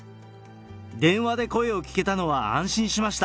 電話で声を聞けたのは安心しました。